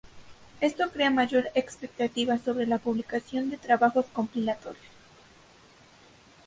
Esto crea mayor expectativa sobre la publicación de trabajos compilatorios.